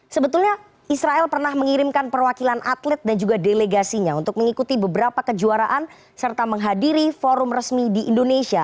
sebetulnya israel pernah mengirimkan perwakilan atlet dan juga delegasinya untuk mengikuti beberapa kejuaraan serta menghadiri forum resmi di indonesia